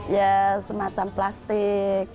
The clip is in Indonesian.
ya semacam plastik